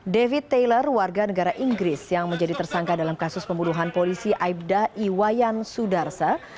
david taylor warga negara inggris yang menjadi tersangka dalam kasus pembunuhan polisi aibda iwayan sudarsa